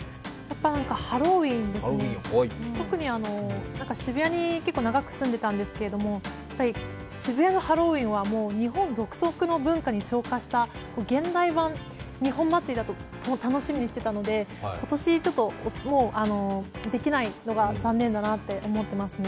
ハロウィーンですね、特に渋谷に結構長く住んでたんですけど渋谷のハロウィーンは日本独特の文化に昇華した現代版日本祭りだと楽しみにしていたので、今年、ちょっとできないのが残念だなと思ってますね。